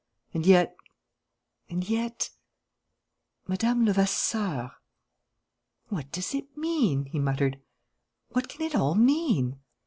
And yet ... and yet ... Mlle. Levasseur "What does it mean?" he muttered. "What can it all mean?"